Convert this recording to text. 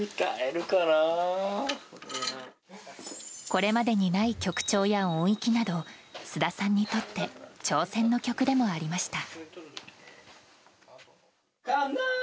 これまでにない曲調や音域など菅田さんにとって挑戦の曲でもありました。